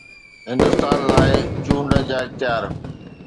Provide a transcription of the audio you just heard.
هندستان لاء چونڊ جا اختيار